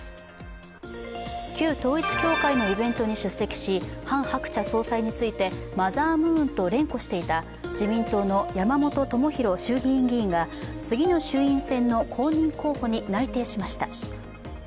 旧統一教会のイベントに出席し、ハン・ハクチャ総裁についてマザームーンと連呼していた自民党の山本朋広衆議院議員が次の衆院選の公認候補に内定しました。